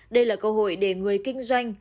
đây là cơ hội để người kinh doanh